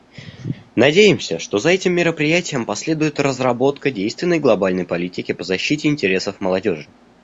Надеемся, что за этим мероприятием последует разработка действенной глобальной политики по защите интересов молодежи.